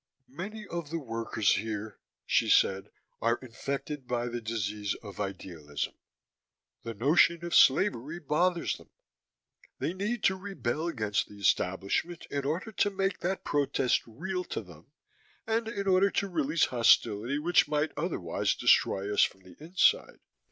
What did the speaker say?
"Many of the workers here," she said, "are infected by the disease of idealism. The notion of slavery bothers them. They need to rebel against the establishment in order to make that protest real to them, and in order to release hostility which might otherwise destroy us from the inside.